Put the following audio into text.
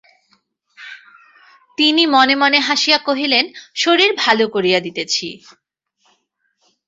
তিনি মনে মনে হাসিয়া কহিলেন, শরীর ভালো করিয়া দিতেছি।